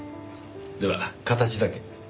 では形だけ。